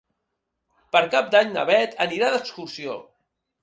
Per Cap d'Any na Bet anirà d'excursió.